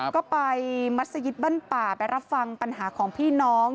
ก็ไปมัศยิตบ้านป่าไปรับฟังปัญหาของพี่น้อง